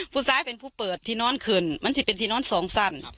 ผู้ซ้ายเป็นผู้เปิดที่นอนคืนมันจะเป็นที่นอนสองสันครับ